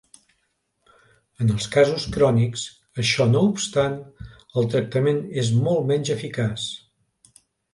En els casos crònics, això no obstant, el tractament és molt menys eficaç.